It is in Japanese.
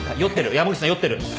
山口さん酔ってる。